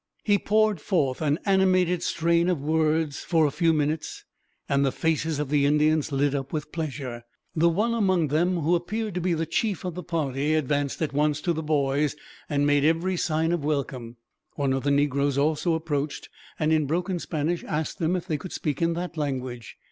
He poured forth an animated strain of words, for a few minutes, and the faces of the Indians lit up with pleasure. The one among them who appeared to be the chief of the party advanced at once to the boys, and made every sign of welcome. One of the negroes also approached, and in broken Spanish asked them if they could speak in that language.